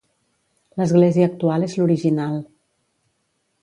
L'església actual és l'original.